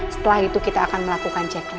setelah itu kita akan melakukan ceknya